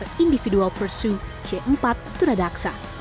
dan di video pursue c empat tuna daksa